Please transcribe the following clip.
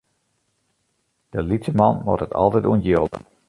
De lytse man moat it altyd ûntjilde.